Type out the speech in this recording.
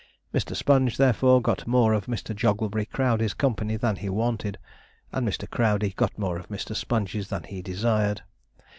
Mr. Sponge, therefore, got more of Mr. Jogglebury Crowdey's company than he wanted, and Mr. Crowdey got more of Mr. Sponge's than he desired.